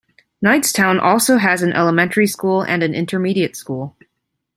Knightstown also has an elementary school and an intermediate school.